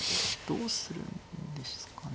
どうするんですかね。